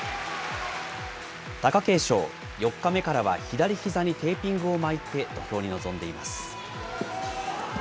貴景勝、４日目からは、左ひざにテーピングを巻いて土俵に臨んでいます。